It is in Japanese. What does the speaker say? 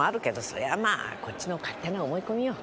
そりゃまぁこっちの勝手な思い込みよ。